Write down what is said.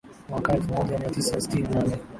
mwaaka elfu moja mia tisa sitini na nne